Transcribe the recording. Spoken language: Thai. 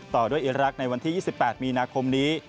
ต่อด้วยอิรักษ์ในวันที่๒๘มีนาคมนี้